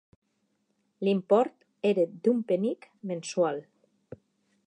L'import era d'un penic mensual.